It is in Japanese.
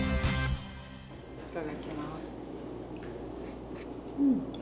いただきます。